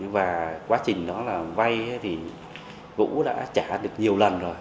và quá trình đó là vay thì vũ đã trả được nhiều lần rồi